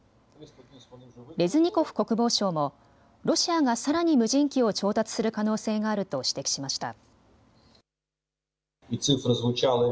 レズニコフ国防相もロシアがさらに無人機を調達する可能性があると指摘しました。